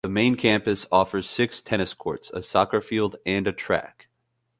The main campus offers six tennis courts, a soccer field and a track.